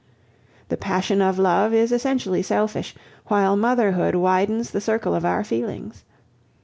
The passion of love is essentially selfish, while motherhood widens the circle of our feelings.